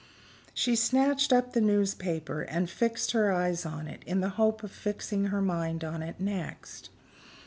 She snatched up the newspaper, and fixed her eyes on it in the hope of fixing her mind on it next.